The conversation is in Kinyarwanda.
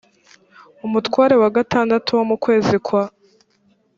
umutware wa gatandatu wo mu kwezi kwa